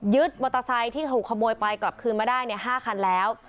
มอเตอร์ไซค์ที่ถูกขโมยไปกลับคืนมาได้๕คันแล้ว